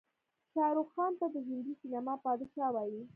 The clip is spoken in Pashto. شاروخ خان ته د هندي سينما بادشاه وايې.